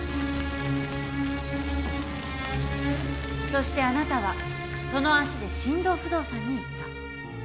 そしてあなたはその足で進藤不動産に行った。